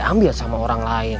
diambil sama orang lain